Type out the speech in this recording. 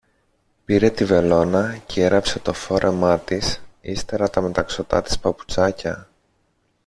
Πήρε τη βελόνα κι έραψε το φόρεμά της, ύστερα τα μεταξωτά της παπουτσάκια